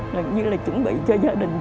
như là chuẩn bị cho gia đình chị